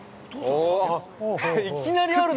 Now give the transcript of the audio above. いきなりあるな。